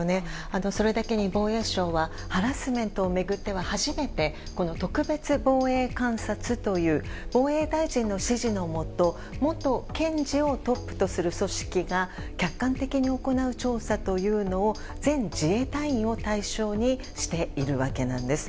それだけに防衛省ではハラスメントを巡って初めてこの特別防衛監察という防衛大臣の指示のもと元検事をトップとする組織が客観的に行う調査というのを全自衛隊員を対象にしているわけなんです。